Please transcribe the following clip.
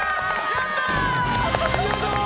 やったー！